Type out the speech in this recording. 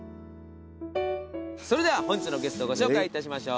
それでは本日のゲストご紹介いたしましょう。